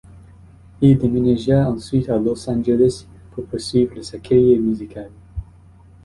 Il déménagea ensuite à Los Angeles pour poursuivre sa carrière musicale.